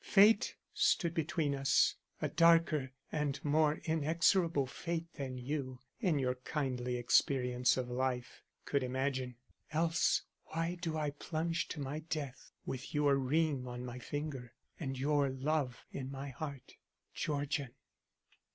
Fate stood between us; a darker and more inexorable fate than you, in your kindly experience of life, could imagine. Else, why do I plunge to my death with your ring on my finger and your love in my heart? "Georgian."